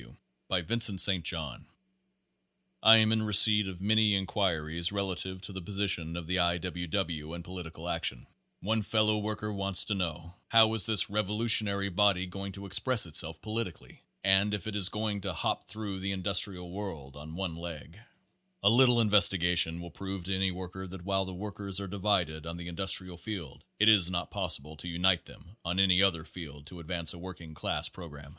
W. By Vincent St. John. I am in receipt of many inquiries relative to the position of the I. W. W. and political action. One fellow Page Forty worker wants to know, "How is this revolutionary body going to express itself politically ?" and "if it is going to hop through the industrial world on one leg?'* A little investigation will prove to any worker that while the workers are divided on the industrial field it is not possible to unite them on any other field to ad vance a working class program.